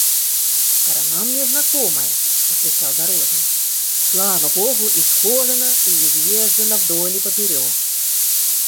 – Сторона мне знакомая, – отвечал дорожный, – слава богу, исхожена и изъезжена вдоль и поперек.